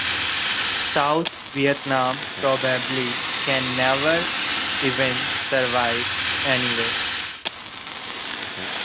South Vietnam probably can never even survive anyway.